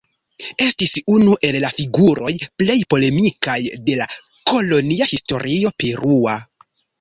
Estis unu el la figuroj plej polemikaj de la kolonia historio perua.